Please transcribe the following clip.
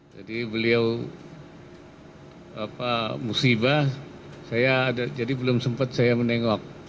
jadi beliau musibah jadi belum sempat saya menengok